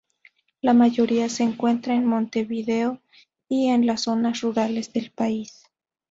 La mayoría se encuentra en Montevideo y en las zonas rurales del país.